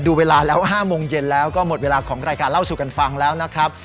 เวลาแล้ว๕โมงเย็นแล้วก็หมดเวลาของรายการเล่าสู่กันฟังแล้วนะครับ